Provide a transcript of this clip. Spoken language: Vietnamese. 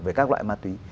về các loại ma tí